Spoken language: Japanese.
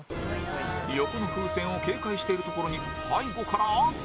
横の風船を警戒しているところに背後から